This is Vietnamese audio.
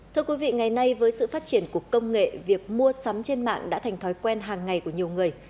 thưa quý vị ngày nay với sự phát triển của công nghệ việc mua sắm trên mạng đã thành thói quen hàng ngày của nhiều người